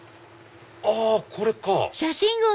あこれか！